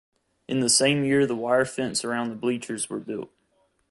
In the same year the wire fence around the bleachers were built.